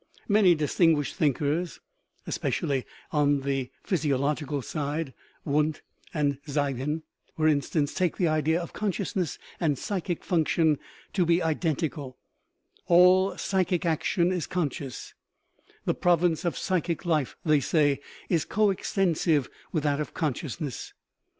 Many distinguished thinkers, especially on the phys iological side (Wundt and Ziehen, for instance) take the ideas of consciousness and psychic function to be identical " all psychic action is conscious "; the prov ince of psychic life, they say, is coextensive with that of consciousness.